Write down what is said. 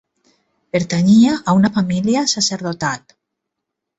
Pertanyia a una família sacerdotal.